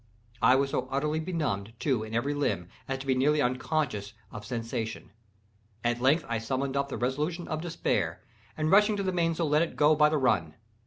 I was so utterly benumbed, too, in every limb, as to be nearly unconscious of sensation. At length I summoned up the resolution of despair, and rushing to the mainsail let it go by the run.